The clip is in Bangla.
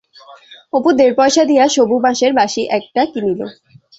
অপু দেড় পয়সা দিয়া সবু বাঁশের বাঁশি একটা কিনিল।